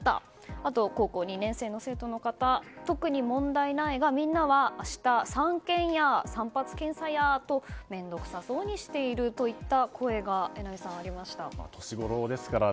あと高校２年生の生徒は特に問題はないがみんなは明日サンケンや散髪検査やと面倒くさそうにしているという年頃ですからね。